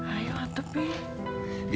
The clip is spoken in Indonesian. ayolah teh peh